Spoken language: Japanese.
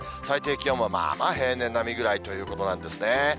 最低気温もまあまあ平年並みぐらいということですね。